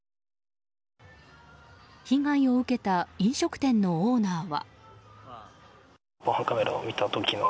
被害を受けた飲食店のオーナーは。